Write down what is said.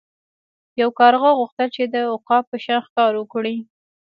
یو کارغه غوښتل چې د عقاب په شان ښکار وکړي.